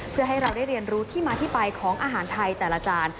เพื่อให้เราได้เรียนรู้ที่มาที่ไปของอาหารไทยแต่ละจาน